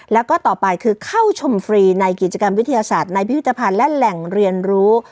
แล้วก็ต่อไปคือเข้าชมฟรีในกิจกรรมวิทยาศาสตร์ในพิพิธภัณฑ์และแหล่งเรียนรู้